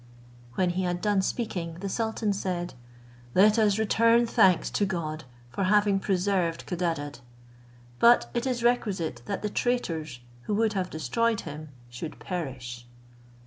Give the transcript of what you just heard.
When he had done speaking, the sultan said, "Let us return thanks to God for having preserved Codadad; but it is requisite that the traitors, who would have destroyed him, should perish."